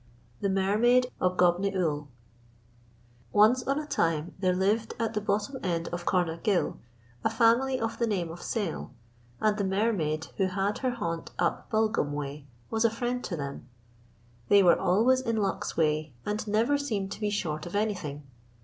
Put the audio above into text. THE MERMAID OF GOB NY OOYL Once on a time there lived at the bottom end of Cornah gill a family of the name of Sayle, and the Mermaid who had her haunt up Bulgham way was a friend to them. They were always in luck's way and never seemed to be short of anything.